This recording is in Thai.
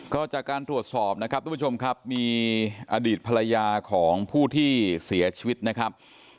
ก็จากการตรวจสอบนะครับทุกผู้ชมครับมีอดีตภรรยาของผู้ที่เสียชีวิตนะครับ